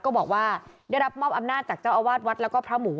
ก็บอกว่าได้รับมอบอำนาจจากเจ้าอาวาสวัดแล้วก็พระหมู